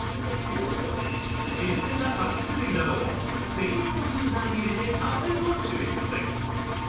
新鮮なかんきつ類などを専用のジューサーに入れて果汁を抽出。